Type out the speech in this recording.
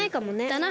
だな。